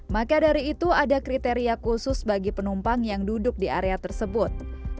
maka dari itu ada kriteria khusus bagi penumpang yang duduk di area tersebut